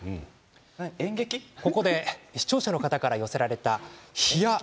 ここで視聴者の方から寄せられたひやっ！